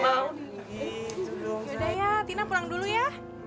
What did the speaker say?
yaudah ya tina pulang dulu ya